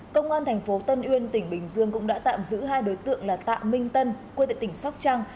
công an tp tân uyên tỉnh bình dương cũng đã tạm giữ hai đối tượng là tạ minh tân quê tại tỉnh sóc trăng